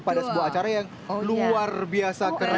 pada sebuah acara yang luar biasa keren